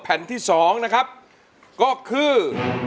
แผ่นที่๒นะครับก็คือ